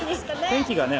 「天気がね